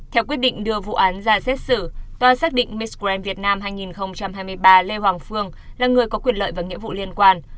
theo quyết định đưa vụ án ra xét xử tòa xác định miss grand vietnam hai nghìn hai mươi ba lê hoàng phương là người có quyền lợi và nhiệm vụ liên quan